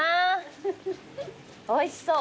おいしそう。